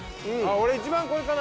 俺一番これかな。